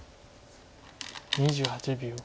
２８秒。